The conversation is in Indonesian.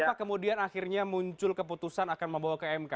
kenapa kemudian akhirnya muncul keputusan akan membawa ke mk